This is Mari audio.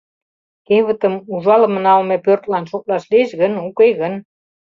Кевытым ужалыме-налме пӧртлан шотлаш лиеш гын, уке гын...